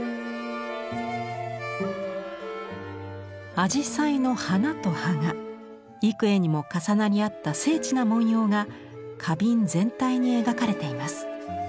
紫陽花の花と葉が幾重にも重なり合った精緻な文様が花瓶全体に描かれています。